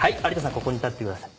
ここに立ってください。